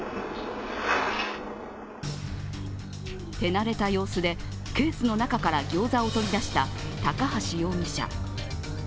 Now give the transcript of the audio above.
手慣れた様子でケースの中からギョーザを取り出した高橋容疑者。